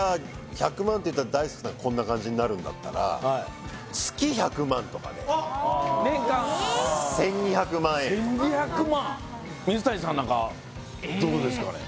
１００万って言ったら大輔さんこんな感じになるんだったら年間１２００万円とか１２００万水谷さんなんかどうですかね